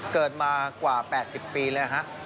เกิดมากว่า๘๐ปีเลยฮะ